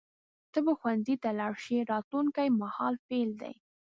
ته به ښوونځي ته لاړ شې راتلونکي مهال فعل دی.